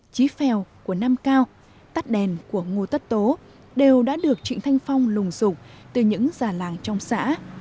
trí phèo của nam cao tắt đèn của ngô tất tố đều đã được trịnh thanh phong lùng sụp từ những già làng trong xã